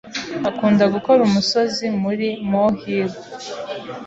Akunda gukora umusozi muri molehill.